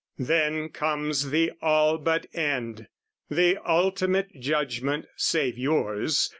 Then comes the all but end, the ultimate Judgment save yours.